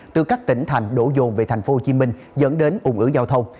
từ các tỉnh thành đổ dồn về thành phố hồ chí minh dẫn đến ủng ứng giao thông